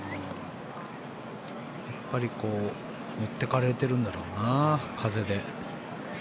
やっぱり持ってかれてるんだろうな風で。